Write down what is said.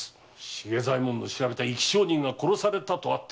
茂左衛門の調べた生き証人が殺されたとあっては。